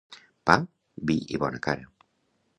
Pa, vi i bona cara.